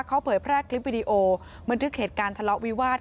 เขาเผยแพร่คลิปวิดีโอบันทึกเหตุการณ์ทะเลาะวิวาส